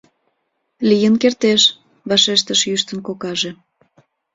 — Лийын кертеш, — вашештыш йӱштын кокаже.